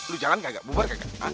lu jalan gak bubur gak